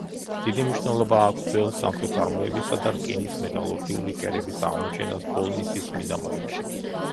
დიდი მნიშვნელობა აქვს ძველ სამთო წარმოებისა და რკინის მეტალურგიული კერების აღმოჩენას ბოლნისის მიდამოებში.